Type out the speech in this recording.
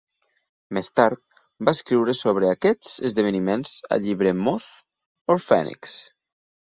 Més tard va escriure sobre aquests esdeveniments al llibre Moth or Phoenix?